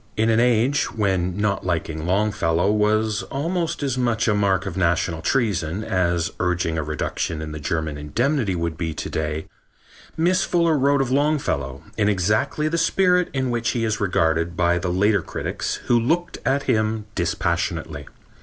In an age when not liking Longfellow was almost as much a mark of national treason as urging a reduction in the German indemnity would be to day Miss Fuller wrote of Longfellow in exactly the spirit in which he is regarded by the later critics who looked at him dispassionately.